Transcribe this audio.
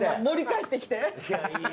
盛り返してきて。